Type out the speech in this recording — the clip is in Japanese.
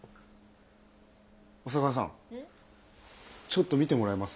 小佐川さんちょっと見てもらえます？